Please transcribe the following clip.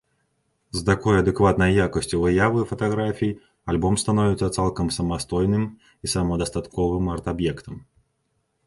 З такой адэкватнай якасцю выявы фатаграфій альбом становіцца цалкам самастойным і самадастатковым арт-аб'ектам.